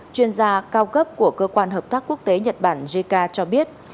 chuyên gia cao cấp của cơ quan hợp tác quốc tế nhật bản jica cho biết